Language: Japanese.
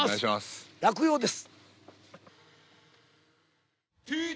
『落陽』です。